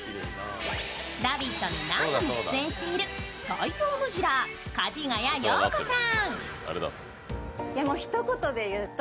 「ラヴィット！」に何度も出演している最強ムジラー、梶ヶ谷陽子さん